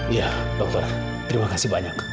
iya dokter terima kasih banyak